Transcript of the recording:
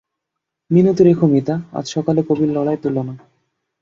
মিনতি রাখো মিতা, আজ সকালে কবির লড়াই তুলো না।